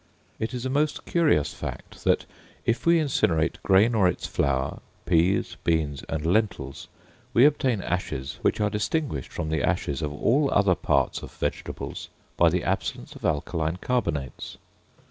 It is a most curious fact that if we incinerate grain or its flour, peas, beans, and lentils, we obtain ashes, which are distinguished from the ashes of all other parts of vegetables by the absence of alkaline carbonates.